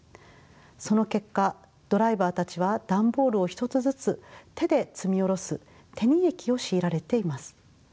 その結果ドライバーたちは段ボールを１つずつ手で積み降ろす手荷役を強いられています。